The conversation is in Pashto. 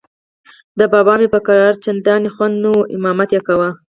د بابا مې په کار چندان خوند نه و، امامت یې کاوه.